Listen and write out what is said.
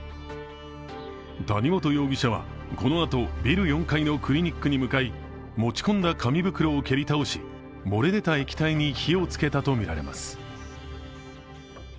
谷本容疑者はこのあと、ビル４階のクリニックに向かい、持ち込んだ紙袋を蹴り倒し、漏れ出た液体に火を付けたとみられます。